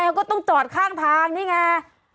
ก็ต้องจอดข้างทางนี่ไง